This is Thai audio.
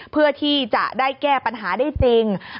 เพื่อที่จะได้แก้ปัญหาได้จริง